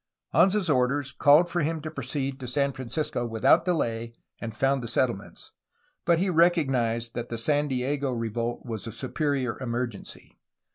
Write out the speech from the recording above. Anza's orders called for him to proceed to San Francisco without delay and found the settlements, but he recognized that the San Diego revolt was a superior emergency.